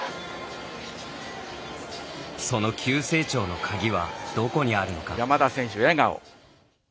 その急成長の鍵はどこにあるのか。